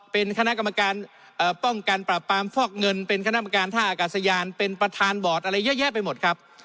เป็นคณะกรรมการป้องกันปราบปรามฟอกเงินเป็นคณะกรรมการท่าอากาศยานเป็นประธานบอร์ดอะไรเยอะแยะไปหมดครับ